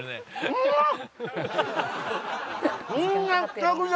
うまっ！